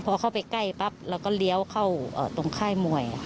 พอเข้าไปใกล้ปั๊บเราก็เลี้ยวเข้าตรงค่ายมวย